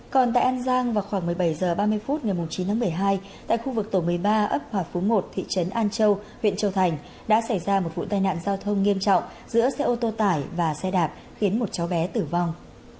còn tại an giang vào khoảng một mươi bảy h ba mươi phút ngày chín tháng một mươi hai tại khu vực tổ một mươi ba ấp hòa phú một thị trấn an châu huyện châu thành đã xảy ra một vụ tai nạn giao thông nghiêm trọng giữa xe ô tô tải và xe đạp khiến một cháu bé tử vong